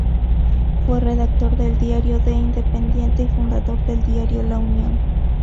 Fue redactor del diario "El Independiente" y fundador del diario "La Unión".